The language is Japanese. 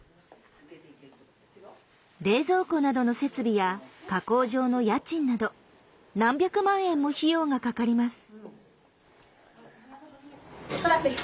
冷蔵庫などの設備や加工場の家賃など何百万円も費用がかかります。